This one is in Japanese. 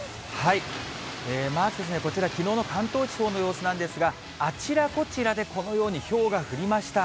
まず、こちら、きのうの関東地方の様子なんですが、あちらこちらでこのように、ひょうが降りました。